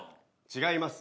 違います。